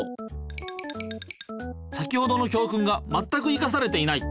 先ほどの教くんがまったくいかされていない。